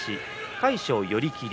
魁勝、寄り切り。